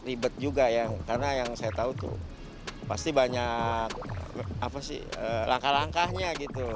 ribet juga ya karena yang saya tahu tuh pasti banyak langkah langkahnya gitu